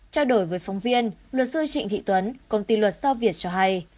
trao đổi với phóng viên luật sư trịnh thị tuấn công ty luật sao việt cho hay